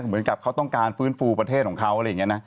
เหมือนกับเขาต้องการฟื้นฟูประเทศของเขาอะไรอย่างนี้นะ